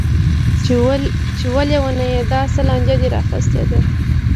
چې وه ليونيه دا څه لانجه دې راخيستې ده.